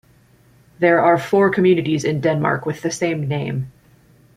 There are four communities in Denmark with the same name.